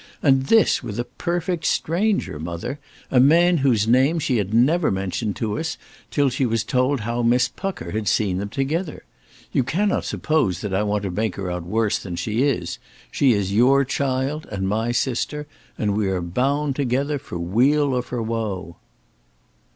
And this with a perfect stranger, mother, a man whose name she had never mentioned to us till she was told how Miss Pucker had seen them together! You cannot suppose that I want to make her out worse than she is. She is your child, and my sister; and we are bound together for weal or for woe."